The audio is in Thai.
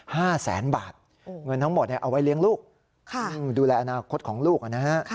ห้าแสนบาทเงินทั้งหมดเนี่ยเอาไว้เลี้ยงลูกค่ะดูแลอนาคตของลูกนะฮะ